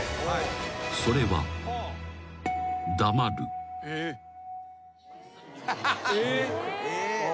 ［それは］えっ！？